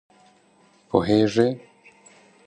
پوهېږې!